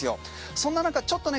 そんな中ちょっとね